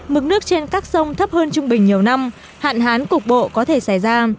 mực nước trên các sông thấp hơn trung bình nhiều năm hạn hán cục bộ có thể xảy ra